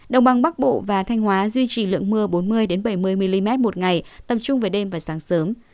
đồng bằng bắc bộ và thanh hóa duy trì lượng mưa bốn mươi bảy mươi mm một ngày tập trung về đêm và sáng sớm